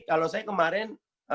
kalau saya kemarin